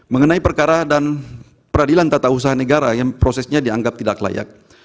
mengenai perkara dan peradilan tata usaha negara yang prosesnya dianggap tidak layak